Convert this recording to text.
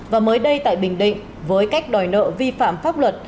và mới đây tại bình định với cách đòi nợ vi phạm pháp luật